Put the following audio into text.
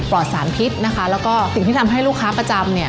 อดสารพิษนะคะแล้วก็สิ่งที่ทำให้ลูกค้าประจำเนี่ย